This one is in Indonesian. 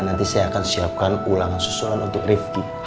nanti saya akan siapkan ulangan susulan untuk rifki